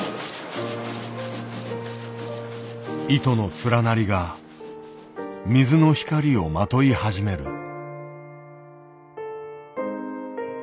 糸の連なりが水の光をまとい始める。